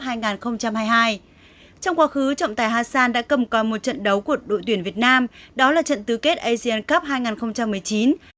trong quá khứ trọng tài hassan đã cầm coi một trận đấu của đội tuyển việt nam đó là trận tứ kết asian cup hai nghìn một mươi chín